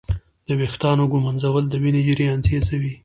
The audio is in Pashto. د ویښتانو ږمنځول د وینې جریان تېزوي.